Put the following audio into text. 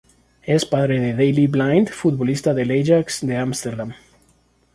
Es padre de Daley Blind, futbolista del Ajax de Amsterdam.